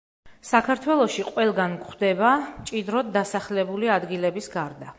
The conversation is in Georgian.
საქართველოში ყველგან გვხვდება, მჭიდროდ დასახლებული ადგილების გარდა.